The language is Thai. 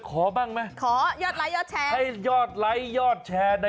ขอยอดไล่ยอดแชร์